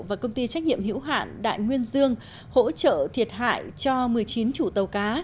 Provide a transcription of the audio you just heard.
và công ty trách nhiệm hữu hạn đại nguyên dương hỗ trợ thiệt hại cho một mươi chín chủ tàu cá